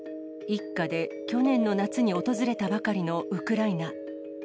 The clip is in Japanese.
一家で去年の夏に訪れたばかりのウクライナ。